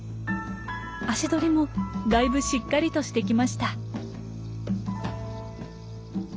足取りもだいぶしっかりとしてきました。